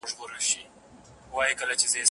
جنازې دي د بګړیو هدیرې دي چي ډکیږي